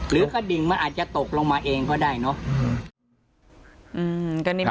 กระดิ่งมันอาจจะตกลงมาเองก็ได้เนอะ